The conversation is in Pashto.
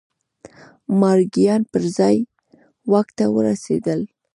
مارګایان پر ځای واک ته ورسېدل.